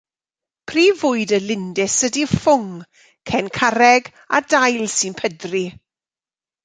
Prif fwyd y lindys ydy ffwng, cen carreg a dail sy'n pydru.